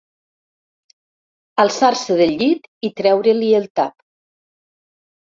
Alçar-se del llit i treure-li el tap.